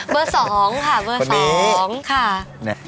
เบอร์๒ค่ะเบอร์๒ค่ะ